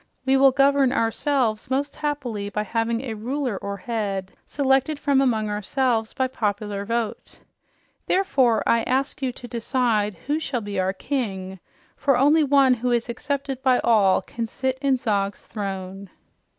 We will govern ourselves most happily by having a ruler, or head, selected from among ourselves by popular vote. Therefore I ask you to decide who shall be our king, for only one who is accepted by all can sit in Zog's throne."